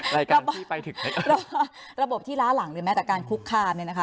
รายการนี้ไปถึงระบบที่ล้าหลังหรือแม้แต่การคุกคามเนี่ยนะคะ